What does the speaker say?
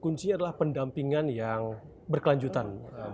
kuncinya adalah pendampingan yang berkelanjutan